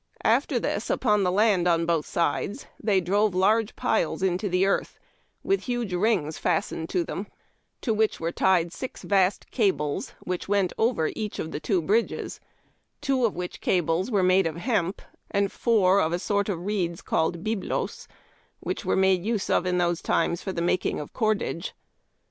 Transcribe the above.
After this, upon the Land on both sides, they drove hirge piles into the earth, with huge rings fastened to them, to which were tied six vast cables, which went over each of the two bridges : two of which cables were made of hemp, and four of a sort of reeds called ^^^^oq^ which were made use of in those times for the making of cordage.